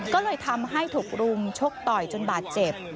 ก็เลยทำให้ถูกรุมชกต่อยจนบาดเจ็บ